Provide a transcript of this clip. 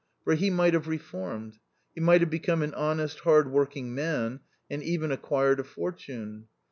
For he might have re formed ; he might have become an honest, hard working man, and even acquired a fortune.